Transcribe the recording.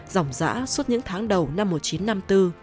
dòng giã suốt những tháng đầu năm một nghìn chín trăm năm mươi bốn